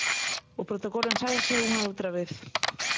O protocolo ensáiase unha e outra vez.